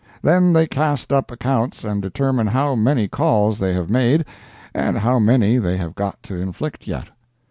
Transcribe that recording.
Then they cast up accounts and determine how many calls they have made and how many they have got to inflict yet.